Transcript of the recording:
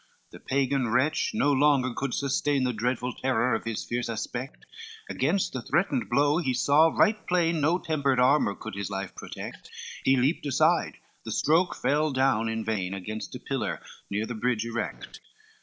XLIII The Pagan wretch no longer could sustain The dreadful terror of his fierce aspect, Against the threatened blow he saw right plain No tempered armor could his life protect, He leapt aside, the stroke fell down in vain, Against a pillar near a bridge erect.